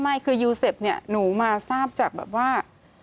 ไม่คือยูเซฟเนี่ยหนูมาทราบจากแบบว่า